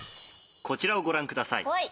「こちらをご覧ください」